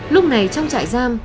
lúc này trong trại giam